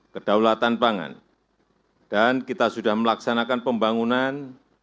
kedaulatan pangan dan kita sudah melaksanakan pembangunan